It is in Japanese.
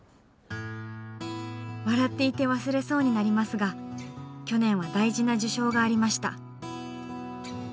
笑っていて忘れそうになりますが去年は大事な受賞がありました。